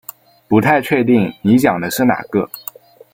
不太确定你讲的是哪个